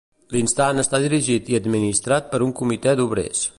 L’Instant està dirigit i administrat per un Comitè d’obrers.